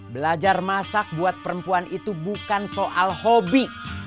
belajar masak buat perempuan itu bukan soal hobi